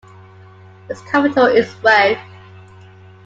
Its capital is Wavre.